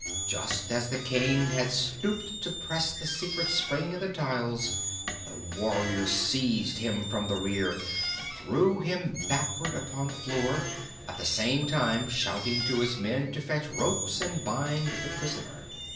Just as the King had stooped to press the secret spring in the tiles, the warrior seized him from the rear and threw him backward upon the floor, at the same time shouting to his men to fetch ropes and bind the prisoner.